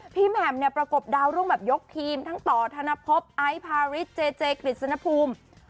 แหม่มเนี่ยประกบดาวรุ่งแบบยกทีมทั้งต่อธนภพไอซ์พาริสเจเจกฤษณภูมิ